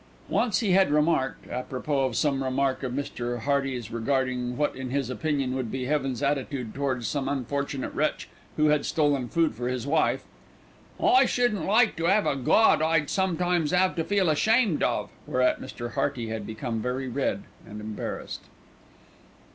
Once he had remarked, apropos some remark of Mr. Hearty's regarding what in his opinion would be Heaven's attitude towards some unfortunate wretch who had stolen food for his wife, "I shouldn't like to 'ave a Gawd I'd sometimes 'ave to feel ashamed of," whereat Mr. Hearty had become very red and embarrassed.